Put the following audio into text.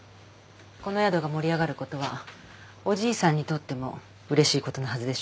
この宿が盛り上がることはおじいさんにとってもうれしいことのはずでしょ。